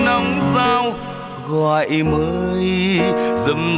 em bao ngày qua